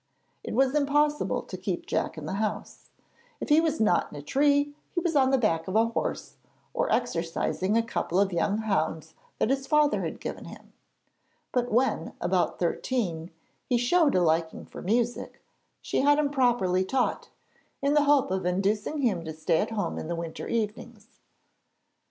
It was impossible to keep Jack in the house; if he was not in a tree, he was on the back of a horse or exercising a couple of young hounds that his father had given him; but when, about thirteen, he showed a liking for music, she had him properly taught, in the hope of inducing him to stay at home in the winter evenings.